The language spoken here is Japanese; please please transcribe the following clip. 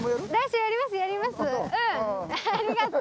ありがとう。